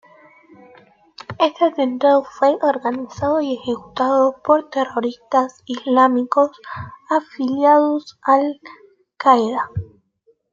Este atentado fue organizado y ejecutado por terroristas islámicos afiliados a Al Qaeda.